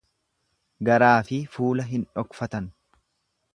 Garaafi fuula hin dhofkatan.